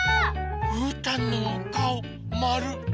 うーたんのおかおまる。